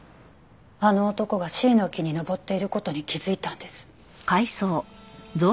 あの男がシイの木に登っている事に気づいたんです。